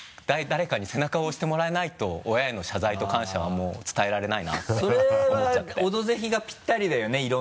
誰かに背中を押してもらえないと親への謝罪と感謝はもう伝えられないなって思っちゃってそれは「オドぜひ」がぴったりだよね？